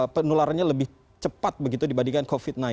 penularannya lebih cepat begitu dibandingkan covid sembilan belas